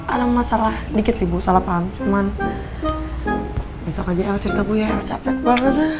ada masalah dikit sih bu salah paham cuman bisa kasih el cerita bu ya capek banget